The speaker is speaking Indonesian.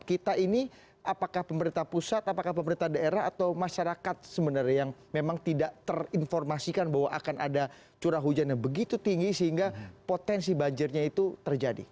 kita ini apakah pemerintah pusat apakah pemerintah daerah atau masyarakat sebenarnya yang memang tidak terinformasikan bahwa akan ada curah hujan yang begitu tinggi sehingga potensi banjirnya itu terjadi